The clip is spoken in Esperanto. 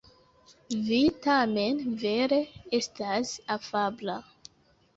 Vi tamen vere estas afabla.